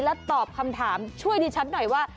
แล้วตอบคำถามช่วยดิฉันหน่อยว่า